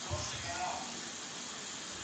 دښمن د تیښتې په حال کي دی.